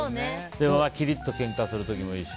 でも、キリッとけんかする時もいいし。